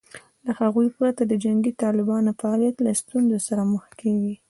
له هغوی پرته د جنګي طالبانو فعالیت له ستونزې سره مخ کېږي